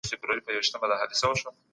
هغه خلکو ته د غلامۍ څخه د خلاصون لار ښووله.